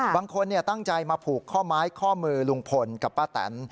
บางคนตั้งใจมาผูกข้อไม้ข้อมือลุงพลกับป้าแตน